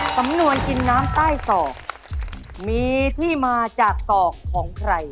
สำนวนกินน้ำใต้ศอกมีที่มาจากศอกของใคร